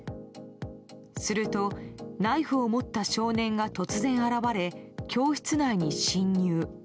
すると、ナイフを持った少年が突然現れ教室内に侵入。